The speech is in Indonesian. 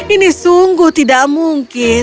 ini sungguh tidak mungkin